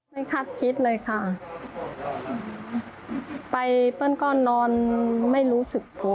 ไม่คัดคิดเลยค่ะไปเปิ้ลก้อนนอนไม่รู้สึกโกรธแล้วอะค่ะ